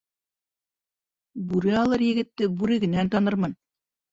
Бүре алыр егетте бүрегенән танырмын